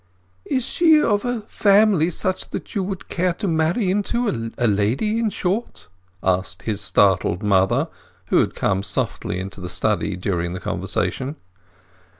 "Is she of a family such as you would care to marry into—a lady, in short?" asked his startled mother, who had come softly into the study during the conversation.